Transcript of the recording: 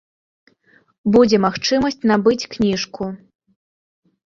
Будзе магчымасць набыць кніжку.